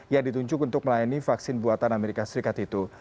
yang ditunjuk untuk melayani vaksin buatan amerika serikat itu